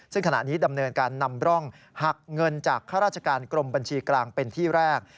ซึ่งขณะนี้ดำเนินการนำร่องหักเงินจากข้าราชการกรมบัญชีกลางเป็นที่แรก